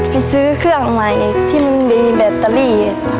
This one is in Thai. ไปซื้อเครื่องใหม่ที่มันมีแบตเตอรี่